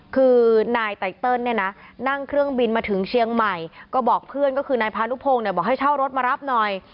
คือนายไตเติลเนี่ยนะนั่งเครื่องบินมาถึงเชียงใหม่ก็บอกเพื่อนก็คือนายพานุพงศ์เนี่ยบอกให้เช่ารถมารับหน่อย